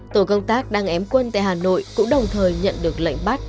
tổ công tác đang ém quân tại hà nội cũng đồng thời nhận được lệnh bắt